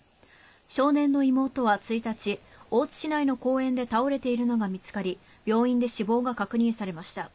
少年の妹は１日大津市内の公園で倒れているのが見つかり病院で死亡が確認されました。